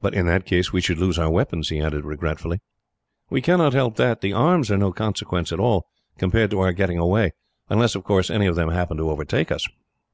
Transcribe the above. "But, in that case, we should lose our weapons," he added regretfully. "We cannot help that. The arms are of no consequence at all, compared to our getting away unless, of course, any of them happen to overtake us."